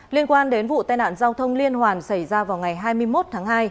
liên quan đến vụ tai nạn giao thông liên hoàn xảy ra vào ngày hai mươi một tháng hai